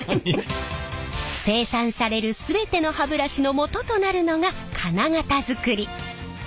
生産される全ての歯ブラシのもととなるのが金型づくり。